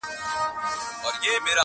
نا پاکستانه کنډواله دي کړمه,